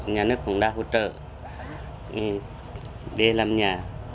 nhà nước cũng đã hỗ trợ để làm nhà